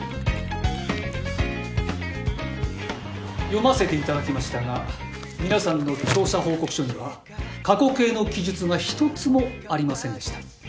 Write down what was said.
読ませていただきましたが皆さんの調査報告書には過去形の記述が一つもありませんでした。